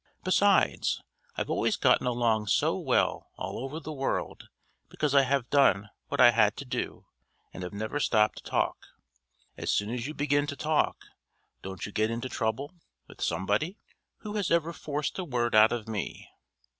Besides, I've always gotten along so well all over the world because I have done what I had to do and have never stopped to talk. As soon as you begin to talk, don't you get into trouble with somebody? Who has ever forced a word out of me!"